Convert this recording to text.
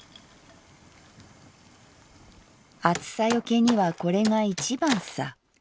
「『暑さよけにはこれがいちばんさ』。